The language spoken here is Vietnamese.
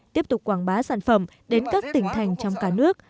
tiếp tục quảng bá sản phẩm đến các tỉnh thành trong cả nước